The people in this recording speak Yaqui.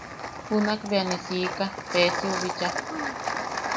Junak bea ne siika Pesiou bicha.